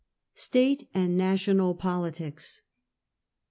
STATE AND NATIONAL POLITICS.